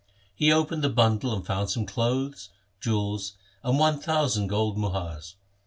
He opened the bundle and found some clothes, jewels, and one thousand gold muhars.